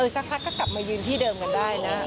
สักพักก็กลับมายืนที่เดิมกันได้นะ